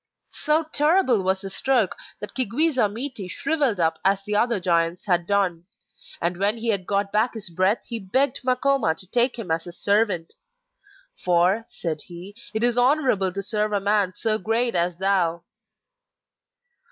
So terrible was the stroke that Chi gwisa miti shrivelled up as the other giants had done; and when he had got back his breath he begged Makoma to take him as his servant. 'For,' said he, 'it is honourable to serve a man so great as thou.